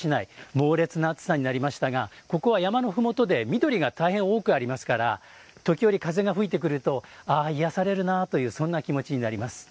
猛烈な暑さになりましたがここは山のふもとで緑が大変多くありますから時折風が吹いてくるとああ、癒やされるなというそんな気持ちになります。